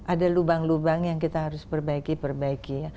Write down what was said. ada lubang lubang yang kita harus perbaiki perbaiki ya